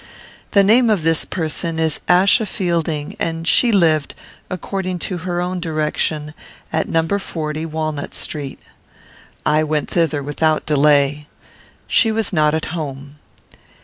The name of this person is Achsa Fielding, and she lived, according to her own direction, at No. 40 Walnut Street. I went thither without delay. She was not at home.